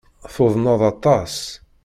Tuḍneḍ aṭas.